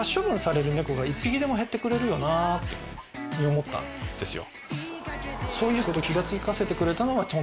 思ったんですよ。